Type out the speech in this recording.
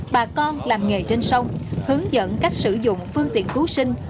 bà con làm nghề trên sông hướng dẫn cách sử dụng phương tiện cứu sinh